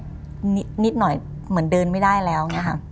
ไม่แค่แบบนิดหน่อยเหมือนเดินไม่ได้แล้ว